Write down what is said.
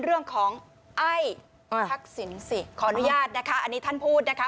เรื่องของไอ้ทักษิณสิขออนุญาตนะคะอันนี้ท่านพูดนะคะ